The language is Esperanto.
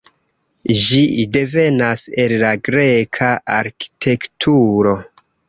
Ĝi devenas el la greka arkitekturo.